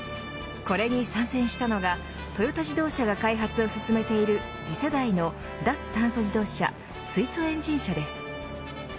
これに参戦したのがトヨタ自動車が開発を進めている次世代の脱炭素自動車水素エンジン車です。